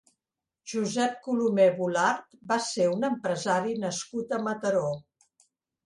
Josep Colomer Volart va ser un empresari nascut a Mataró.